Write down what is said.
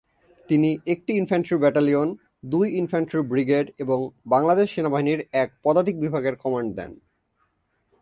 তিনি একটি infantry battalion, দুই ইনফ্যান্ট্রি ব্রিগেড এবং বাংলাদেশ সেনাবাহিনীর এক পদাতিক বিভাগের কমান্ড দেন।